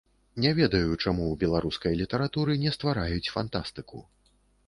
Не ведаю, чаму ў беларускай літаратуры не ствараюць фантастыку.